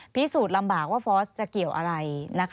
พิสูจน์ลำบากว่าฟอสจะเกี่ยวอะไร